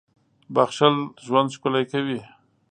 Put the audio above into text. • بښل ژوند ښکلی کوي.